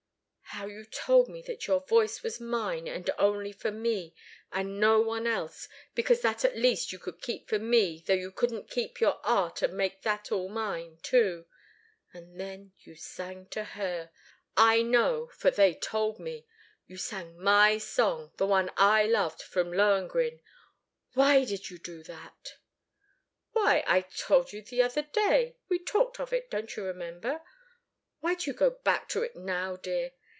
How you told me that your voice was mine, and only for me, and for no one else, because that at least you could keep for me, though you couldn't keep your art and make that all mine, too? And then you sang to her I know, for they told me you sang my song, the one I loved, from Lohengrin! Why did you do that?" "Why I told you the other day we talked of it, don't you remember? Why do you go back to it now, dear?"